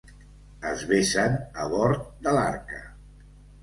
Es besen a bord de l'Arca.